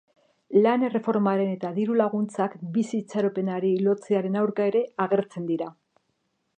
Lan erreformaren eta diru-laguntzak bizi itxaropenari lotzearen aurka ere agertzen dira.